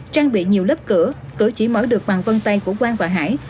trang bị nhiều lớp cửa cửa chỉ mở được bằng vân tay của quang và hải